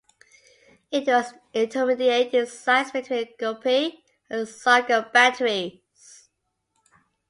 It was intermediate in size between the Guppy and Sargo batteries.